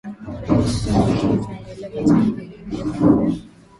lakini iki ikiingilia katika hali hii ya ku ya